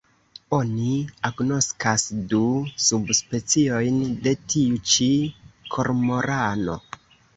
Oni agnoskas du subspeciojn de tiu ĉi kormorano.